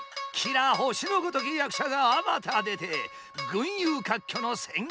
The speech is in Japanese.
綺羅星のごとき役者があまた出て群雄割拠の戦国時代。